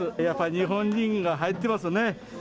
日本人が入ってますね。